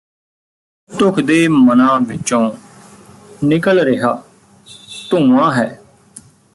ਧੁਖਦੇ ਮਨਾ ਵਿਚੋਂ ਨਿਕਲ ਰਿਹਾ ਧੂੰਆਂ ਹੈ